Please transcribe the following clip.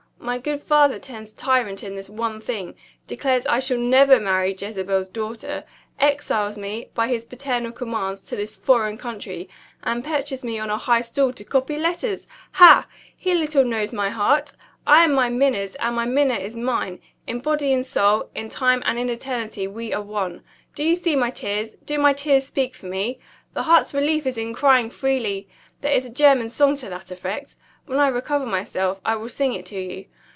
My good father turns tyrant in this one thing; declares I shall never marry 'Jezebel's Daughter;' exiles me, by his paternal commands, to this foreign country; and perches me on a high stool to copy letters. Ha! he little knows my heart. I am my Minna's and my Minna is mine. In body and soul, in time and in eternity, we are one. Do you see my tears? Do my tears speak for me? The heart's relief is in crying freely. There is a German song to that effect. When I recover myself, I will sing it to you.